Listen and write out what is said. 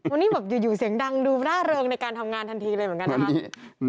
วันนี้แบบอยู่เสียงดังดูร่าเริงในการทำงานทันทีเลยเหมือนกันนะครับ